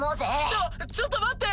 ちょちょっと待って！